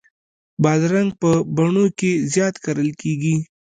بادرنګ په بڼو کې زیات کرل کېږي.